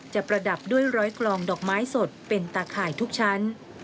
ประดับด้วยร้อยกลองดอกไม้สดเป็นตาข่ายทุกชั้น